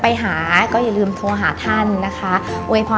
ในฐานะตอนนี้แพทย์รับสองตำแหน่งแล้วนะคะ